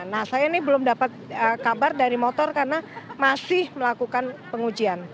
nah saya ini belum dapat kabar dari motor karena masih melakukan pengujian